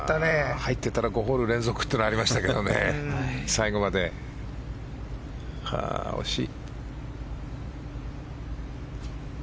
入ってたら５ホール連続というのがありましたけど最後まで、惜しい。